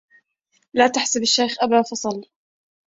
لا تحسب الشيخ أبا حفصل